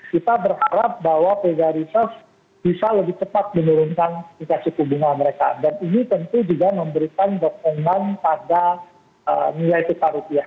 kita berharap bahwa pgrsf bisa lebih cepat menurunkan inflasi cukup bunga mereka